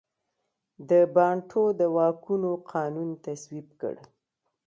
د بانټو د واکونو قانون تصویب کړ.